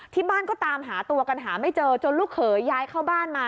ที่บ้านก็ตามหาตัวกันหาไม่เจอจนลูกเขยย้ายเข้าบ้านมา